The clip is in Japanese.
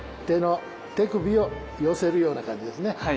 手首を寄せるような感じですね。